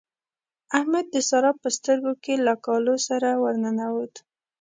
احمد د سارا په سترګو کې له کالو سره ور ننوت.